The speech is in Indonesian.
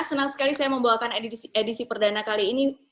senang sekali saya membawakan edisi perdana kali ini